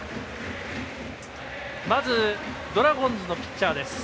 まず、ドラゴンズのピッチャー。